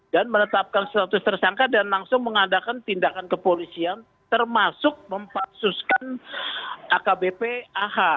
dan menetapkan status tersangka dan langsung mengadakan tindakan kepolisian termasuk mempaksuskan akbp ah